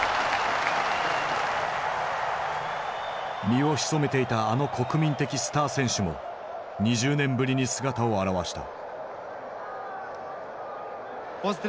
身を潜めていたあの国民的スター選手も２０年ぶりに姿を現した。